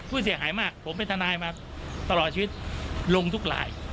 ผู้เสียหายมากผมเป็นทนายมาตลอดชีวิตลงทุกลาย